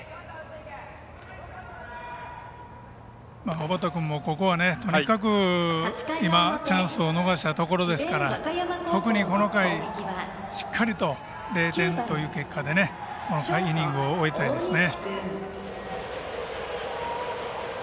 小畠君もここはとにかく今チャンスを逃したところですから、特にこの回しっかりと０点という結果でこのイニングを終えたいですね。